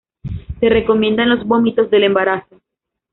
Se recomienda en los vómitos del embarazo.